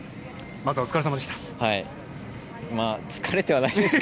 まずはお疲れ様でした。